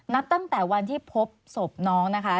นับตั้งแต่วันที่พบศพน้องนะคะ